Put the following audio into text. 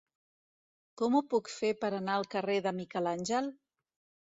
Com ho puc fer per anar al carrer de Miquel Àngel?